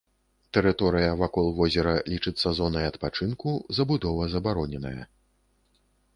Тэрыторыя вакол возера лічыцца зонай адпачынку, забудова забароненая.